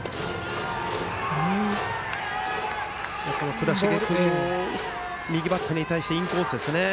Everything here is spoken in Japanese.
倉重君右バッターに対してインコースですね。